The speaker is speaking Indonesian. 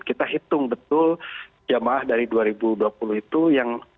kita hitung betul jamaah dari dua ribu dua puluh itu yang